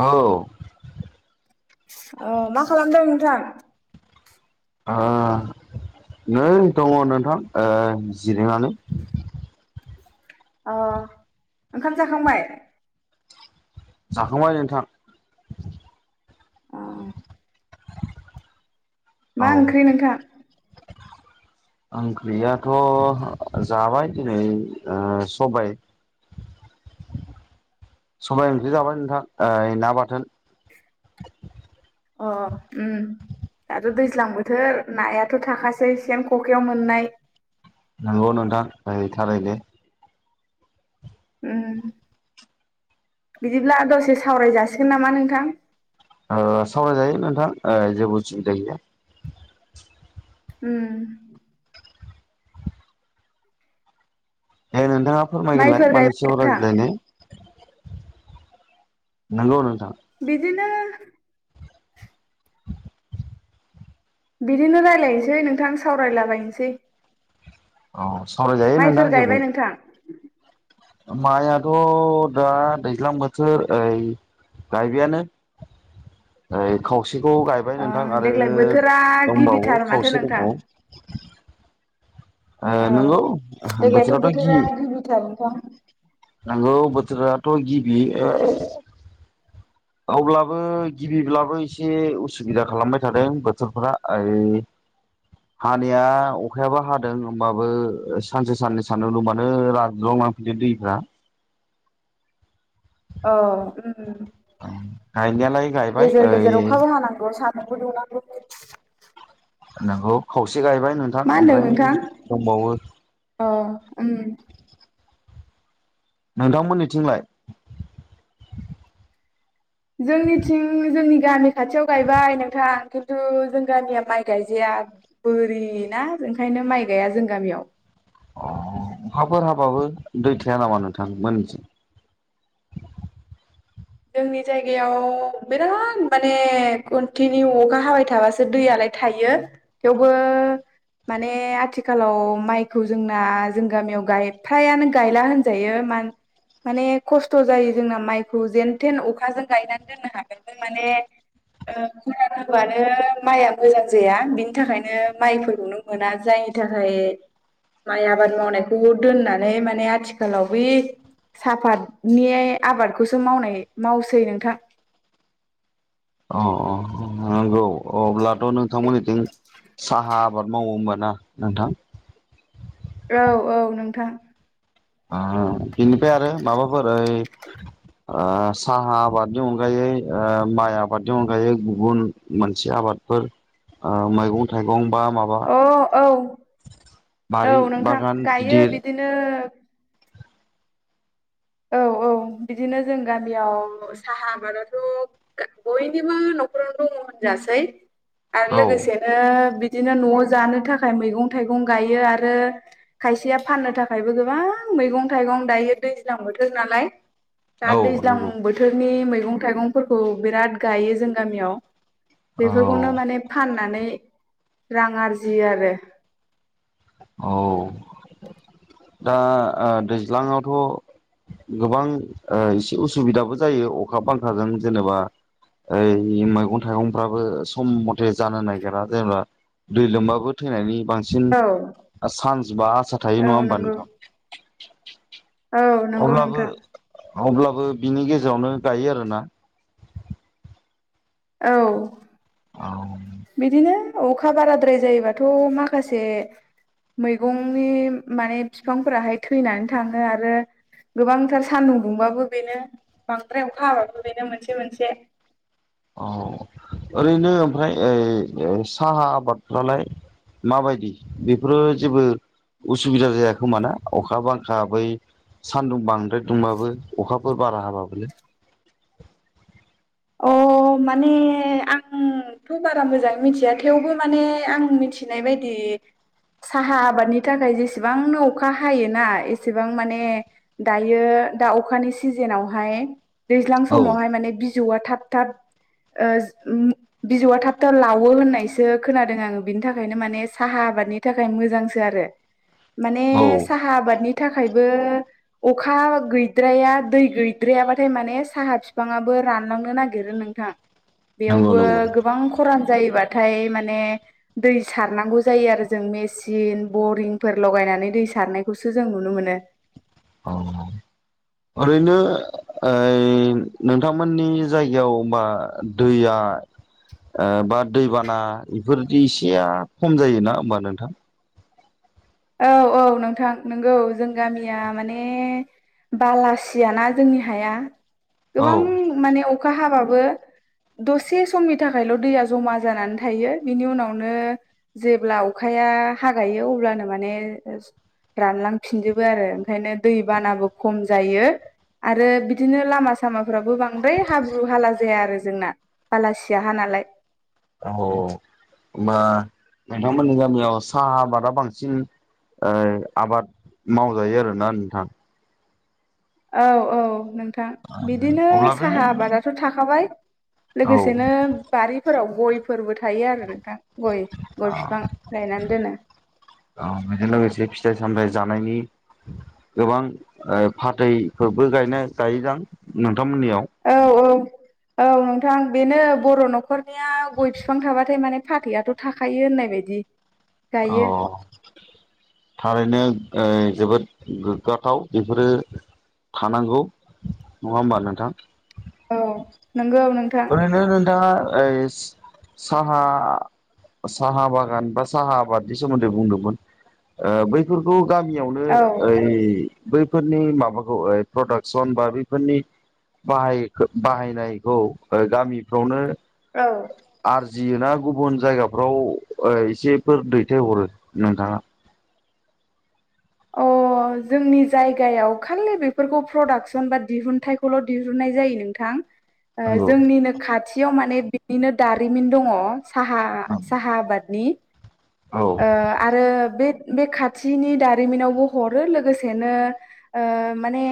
औ ओ ओ मा खालामदों नोंथां? आह नै दङ' नोंथां ओ जिरायनानै। अ ओंखाम जाखांबाय? जाखांबाय नोंथां। अ औ मा ओंख्रि नोंथां? ओंख्रियाथ' जाबाय दिनै ओ सबाय। सबाय ओंख्रि जाबाय नोंथां ओइ ना बाथोन। अ उम। दाथ' दैज्लां बोथोर नायाथ' थाखासै सेन ख'खायाव मोननाय। नंगौ नोंथां ओइ थारैनो। उम बिदिब्ला दसे सावराय जासिगोन नामा नोंथां ओ उम ए नोंथाङा फोरमायगोलाय माइफोर मानि गायबाय सायाव नोंथां? रायज्लायनो नंगौ नों बिदिनो बिदिनो रायलायनोसै नोंथां सावरायलाबायसै औ सावराय जायो नोंथां गायबाय जेबो नोंथां? माइआथ' दा दैज्लां बोथोर ओइ गायबायानो ओइ खाव खावसेखौ गायबाय ओ नोंथां आरो देग्लाय बोथोरा गिबिथार दंबावो माथो खावसे नोंथां। दंबावो ओ औ नंगौ देग्लायथ' बोथोराथ' बोथोरा गिबिथार [unintelligible] नोंथां नोंगौ बोथोराथ' गिबि अब्लाबो गिबिब्लाबो एसे उसुबिदा खालामबाय थादों बोथोरफोरा ओइ हानिया अखायाबो हादों होमबाबो सानसे साननै सान्दुं बुंबावो रानरुं लांफैदो [unintelligible] दैफ्रा औ उम गायनायालाय गायबाय गेजेर ओइ गेजेर अखाबो हानांगौ सा मुंबो दुंनांगौ [inaudible] नोंगौ खावसे गायबाय नोंथां मा होनदों ओमफ्राय नोंथां? दंबावो अ उम नोंथांमोननिथिंलाय जोंनिथिं जोंनि गामि खाथियाव गायबाय नोंथां खिन्थु जों गामिया माइ गायजाया बोरि ना ओंखायनो माइ गाया जों गामियाव अ अखाफोर हाबाबो दै थाया नामा नोंथां मोन [unintelligible] [inaudible] जोंनि जायगायाव बिराद माने कन्टिनिउ अखा हाबाय थाबासो दैयालाय थायो थेवबो माने आथिखालाव माइखौ जोंना जों गामियावाय फ्रायानो गायला होनजायो माने खस्थ' जायो जोंना माइखौ जेन थेन अखाजों गायनानै दोननो हाबाबो [unintelligible] माने ओ खुरान होबानो माइआ मोजां जाया बिनि थाखायनो माइफोरखौनो मोना जाय थाखाय माइ आबाद मावनायखौबो दोननानै माने आथिखालाव बै साहाफातनि आबादखौसो मावनाय मावसै नोंथां अ अ नंगौ अब्लाथ' नोंथांमोननिथिं साहा आबाद मावो होमबा ना नोंथां औ औ नोंथां ओ बिनिफ्राय आरो आरो माबाफोर ओइ [inaudible] ओ साहा आबादनि अनगायै माइ आबादनि अनगायै गुबुन मोनसे आबाद फोर मैगं थाइगं बा माबा अ औ औ बारि नोंथां बागान गायो गिदिर बिदिनो औ औ बिदिनो जों गामियाव साहा आबादाथ' बयनिबो न' खावनो दङ होनजासै आरो औ लोगोसेनो बि बिदिनो न'आव जानो थाखाय मैगं थाइगं गायो आरो खायसेया फाननो थाखायबो गोबां मैगं थाइगं दायो दैज्लां बोथोर नालाय दा औ दैज्लां नंगौ बोथोरनि मै गं थाइगंफोरखौ बिराद गायो जों गामियाव औ बेफोरखौनो औ फाननानै रां आरजियो आरो औ दा दैज्लांआवथ' गोबां एसे उसुबिदाबो जायो अखा बांखाजों जेनेबा ओइ मैगं थाइगंफ्राबो सम मथे जानो नागिरा जेनेबा दै लोमबाबो थैनायनि बांसिन औ चान्स बा आसा थायो नङा औ होमबा नंगौ नोंथां औ नंगौ अब्लाबो नोंथां अब्लाबो बिनि गेजेरावनो गायो आरोना औ बिदिनो अखा बाराद्राय जायोबाथ' माखासे मैगंनि माने बिफांफोराहाय थैनानै थाङो आरो गोबांथार सान्दुं दुंबाबो बेनो बांद्राय अखा हाबाबो बेनो मोनसे मोनसे औ ओरैनो ओमफ्रायओ साहा आबादफ्रालाय माबायदि बेफोरो जेबो उसुबिदा जाया खोमाना अखा बांखा बै सान्दुं बां ओमफ्राय दुंबाबो अखाफोर बारा हाबाबलै ओ माने आं थ' बारा मोजां मिथिया थेवबो माने आं मिथिनाय बायदि साहा आबादनि थाखाय जेसेबांनो अखा हायोना एसेबां माने दायो दा अखानि सिजनावहाय दैज्लां समावहाय माने बिजौआ थाब थाब ओ बिजौआ थाब थाब लावो होननायसो खोनादों आङो बिनि थाखायनो माने साहा आबादनि बिनि थाखाय मोजांसो आरो माने साहा आबादनि थाखायबो अखा गैद्राया दै गैद्रायाबाथाय माने साहा बिफाङाबो रानलांनो नागेरो नोंथां नंगौ नंगौ जायोबाथाय माने दै सारनांगौ जायो जों मेचन बरिंफोर लगायना नानै दै सारनायखौसो जों नुनो मोनो औ ओरैनो ओ नोंथांमोननि जायगायाव होनबा दैया आरो ओ बा दैबाना बेफोरदि इसेया खम जायोना होमबा नोंथां औ औ नोंथां नंगौ जों गामिया माने बालासियाना जोंनि हाया औ गोबां औ माने अखा हाबाबो दसे समनि थाखायल' दैया जमा जानानै थायो बिनि उनावनो जेब्ला अखाया अखाया हागायो अब्लानो माने माने रानलांफिनजोबो आरो ओंखायनो दै बानाबो खम जायो आरो बिदिनो लामा सामाफ्राबो बांद्राय हाब्रु हाला जाया आरो जोंना बालासिया हा नालाय औ होमबा नोंथांमोननि गामियाव सा आबादा बांसिन ओ आबाद मावजायो आरोना नोंथां औ औ नोंथां बिदिनो अब्ला बे साहा आबादाथ' थाखाबाय औ लोगोसेनो बारिफोराव गयफोरबो थायो आरो बिफां गय गय बिफां गायनानै दोनो औ बेजों लोगोसे फिथाइ सामथाइ जानायनि गोबां फाथैफोरबो गायनो जायोजां नु नोंथांमोनियाव औ औ औ नोंथां बेनो बर' न'खरनिया गय बिफां थाबाथाय माने फाथैआथ' थाखायो होननाय बादि अ थारैनो जोबोद गोग्गाथाव बेफोरो थानांगौ नङा होमबा नोंथां औ नंगौ नोंथां ओरैनो नोंथाङा ओइ साहा साहा बागान बा साहा आबादनि सोमोन्दै बुंदोमोन ओ बैफोरखौ गामियावनो औ ओइ बैफोरनि माबाखौ प्रडाक्सन बा बैफोरनि बाहायखो बाहायनायखौ ओ गामिफ्रावनो औ। जियो ना गुबुन जायगाफ्राव ओ एसेफोर दैथायहरो नोंथाङा अ। अ जोंनि जायगायाव खालि बेफोरखौ प्रदाक्सन बा दिहुनथाइखौल' दिहुननाय जायो नोंथां। ओ नंगौ जोंनिनो खाथियाव माने बिनिनो दारिमिन दङ'। साहा साहा आबादनि औ ओ आरो बे बे खाथिनि दारिमिनावबो हरो लोगोसेनो ओ माने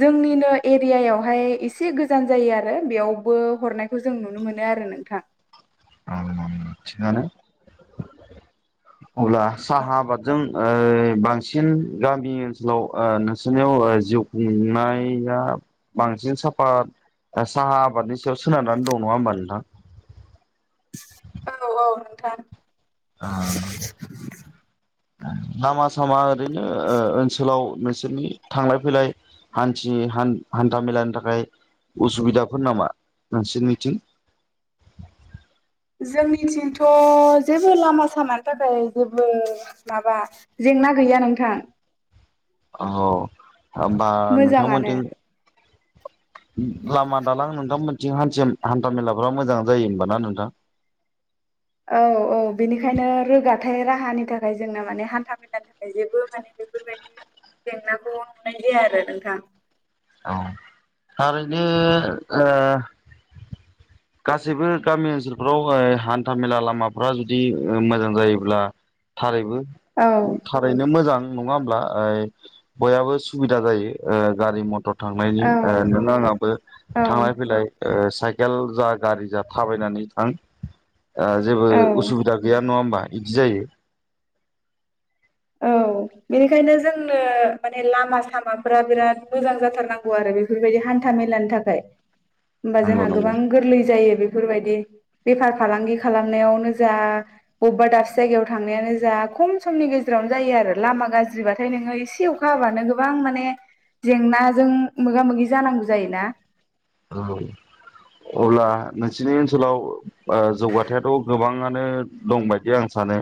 जोंनिनो एरियायावहाय एसे गोजान जायो आरो बेयावबो हरनायखौ जों नुनो मो नो आरो नोंथां। औ थिगानो। अब्ला साहा आबादजों ओ बांसिन गामि ओनसोलाव ओ नोंसोरनियाव जिउ खुंनाया बांसिन साफात साहा आबादनि सायाव सोनारनानै दं नङा होमबा नोंथां? औ औ नोंथां। आ लामा सामा ओरैनो ओ-ओनसोलाव नोंसोरनि थांलाय फैलाय हान्थि हान-हान्था मेलानि थाखाय उसुबिदाफोर नामा नोंसिनिथिं? [inaudible] जोंनिथिंथ' जेबो लामा सामानि थाखाय जेबो माबा जेंना गै या नोंथां। औ होमबा मोजाङानो नोंथांमोनजों लामा दालां नोंथांमोननिथिं हान्थिम हान्था मेलाफ्रा मोजां जायो होमबा ना नोंथां? [inaudible] औ औ बेनिखायनो रोगाथाइ राहानि थाखाय जोंना माने हान्था मेलानि थाखाय जेबो माने बेफोरबायदि जेंनाखौ नुनाय जाया आरो नोंथां। औ ओरैनो ओ [inaudible] गासैबो गामि ओनसोलफ्राव ओ हान्था मेला लामाफ्रा जुदि मोजां जायोब्ला थारैबो औ थारैनो मोजां। नङा होमब्ला ओइ बयहाबो सुबिदा जायो ओ गारि म थर थांनायनि औ ओ नों आङाबो औ थांलाय फैलाय ओ साइकेल जा गारि जा थाबायनानै थां ओ जेबो औ उसुबिदा गैया नङा होमबा? बिदि जायो। औ बेनिखायनो जोंनो माने लामा सामाफ्रा बिराद मोजां जाथार नांगौ आरो बे फोर बायदि हान्था मेलानि थाखाय होमबा नंगौ जोंहा नंगौ गोबां गोरलै जायो बे फोरबायदि बेफार फालांगि खालामनायावनो जा बबेबा दाबसे जायगायाव थांनायानो जा खम समनि गेजेरावनो जायो आरो लामा गाज्रिबाथाय नोङो एसे अखा हाबानो गोबां माने जेंनाजों मोगा मोगि जानांगौ जायो ना। औ। अब्ला नोंसिनि ओनसोलाव ओ जौगाथायाथ' गोबाङानो दं बायदि आं सा नो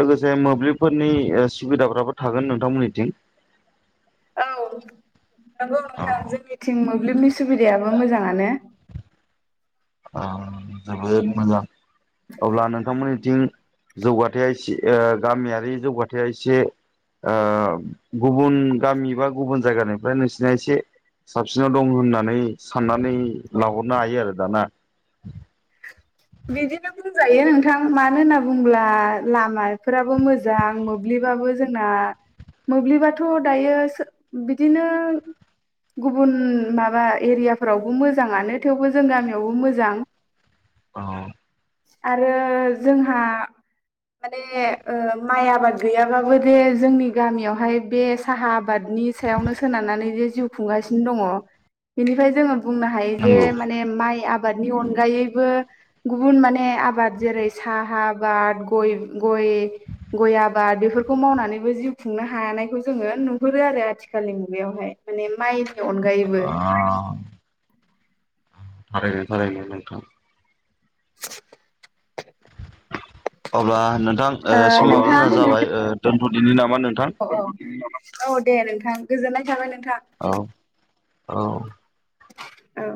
लोगोसे मोब्लिबफोरनि ओ सुबिदाफ्राबो थागोन नोंथांमोननिथिं। औ नंगौ नोंथां जोंनिथिं मोब्लिबनि सुबिदायाबो मोजाङानो। अ जोबोद मोजां अब्ला नोंथांमोननिथिं जौगाथाया एसे ओ गामियारि जौगाथाया एसे ओ गुबुन गामि बा गुबुन जायगानिफ्राय नोंसिना एसे साबसिनाव दं होननानै साननानै लाहरनो हायो आरो दा ना। बिदिनो बुंजायो नोंथां मानो होनना बुंब्ला लामाफोराबो मोजां मोब्लि बाबो जोंना मोब्लिबाथ' दायो सो बिदिनो गुबुन माबा एरियाफोरावबो मोजाङानो थेवबो जों गामियावबो मोजां। औ। आरो जोंहा माने ओ माइ आबाद गैयाबाबो बेे जोंनि गामियावहाय बे साहा आबाद नि सायावनो सोनारनानै जे जिउ खुंगासिनो दङ' बेनिफ्राय जोङो बुंनो हायो जे नंगौ माने माइ आबादनि अनगायैबो गुबुन माने आबाद जेरै साहा आबाद गय गय गय आबाद बेफोर बेखौ मावनानैबो जिउ खुंनो हानायखौ जोङो नुहुरो आरो आथिखालनि मुगायावहाय। माने माइ अनगायैबो ओ थारैनो थारैनो नोंथां। अब्ला नोंथां ओ समाबो जोंना जाबाय। ओ दोनथ'दिनि नामा? नोंथां औ औ औ दे नोंथां गोजोननाय थाबाय नोंथां। औ औ। औ।